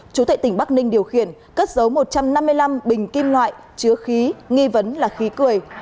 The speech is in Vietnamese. chủ tệ tỉnh bắc ninh điều khiển cất dấu một trăm năm mươi năm bình kim loại chứa khí nghi vấn là khí cười